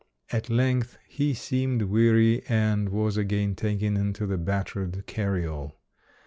At length, he seemed weary and was again taken into the battered carry all.